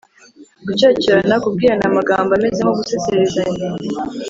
gucyocyorana: kubwirana amagambo ameze nko gusererezanya